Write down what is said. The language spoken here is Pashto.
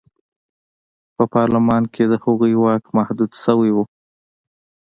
په پارلمان کې د هغوی واک محدود شوی و.